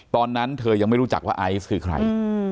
ตอนนั้นเธอยังไม่รู้จักว่าไอซ์คือใคร